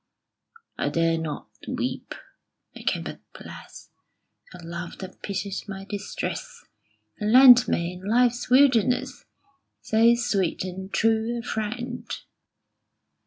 I dare not weep: I can but bless The Love that pitied my distress, And lent me, in Life's wilderness, So sweet and true a friend.